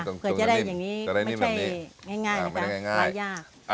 เผื่อจะได้อย่างนี้ไม่ใช่ง่ายนะคะมายาก